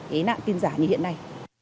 cái nạn tin giả như hiện nay